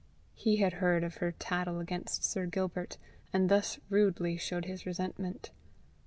He had heard of her tattle against Sir Gilbert, and thus rudely showed his resentment.